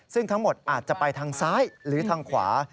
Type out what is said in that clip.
ซึ่งทั้งหมดอาจจะไปทางซ้ายหรือทางขวา